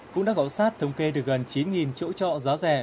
cũng đã gõ sát thông kê được gần chín chỗ trọ giá rẻ